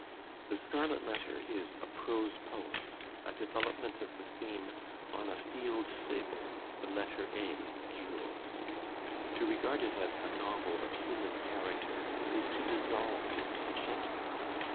"The Scarlet Letter" is a prose poem, a development of the theme: "On a Field Sable, the Letter A, Gules." To regard it as a novel of human character is to dissolve its enchantment.